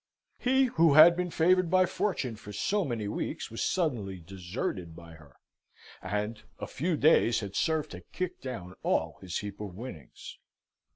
He who had been favoured by fortune for so many weeks was suddenly deserted by her, and a few days had served to kick down all his heap of winnings.